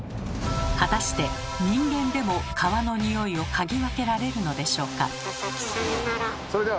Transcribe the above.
果たして人間でも川のニオイを嗅ぎ分けられるのでしょうか？